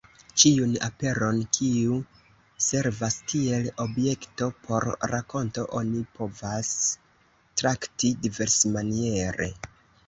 Ĉiun aperon, kiu servas kiel objekto por rakonto, oni povas trakti diversmaniere.